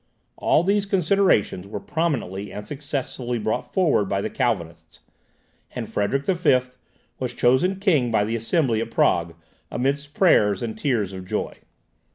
All these considerations were prominently and successfully brought forward by the Calvinists, and Frederick V. was chosen king by the Assembly at Prague, amidst prayers and tears of joy.